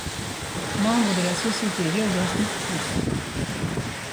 Membre de la Société géographique russe.